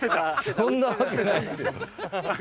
そんなわけないっすよ。